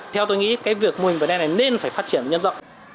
theo tôi nghĩ cái việc mô hình vernon này nên phải phát triển nhân rộng